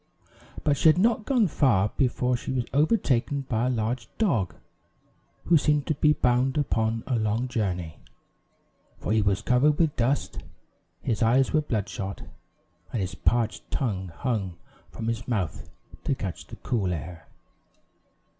But she had not gone far before she was overtaken by a large dog, who seemed to be bound upon a long journey; for he was covered with dust, his eyes were bloodshot, and his parched tongue hung from his mouth to catch the cool air.